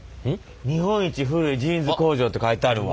「日本一古いジーンズ工場」って書いてあるわ。